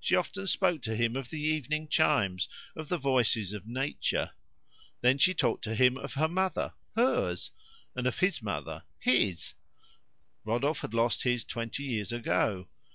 She often spoke to him of the evening chimes, of the voices of nature. Then she talked to him of her mother hers! and of his mother his! Rodolphe had lost his twenty years ago.